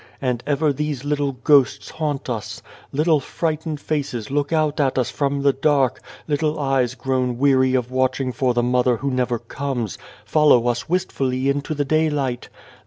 And ever these little ghosts haunt us. Little frightened faces look out at us from the dark ; little eyes grown weary of watching for the mother who never comes, follow; us wistfully in the daylight.